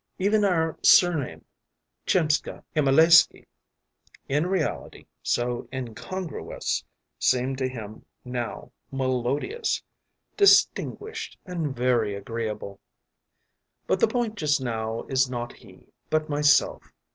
Even our surname Tchimsha Himalaisky, in reality so incongruous, seemed to him now melodious, distinguished, and very agreeable. “But the point just now is not he, but myself.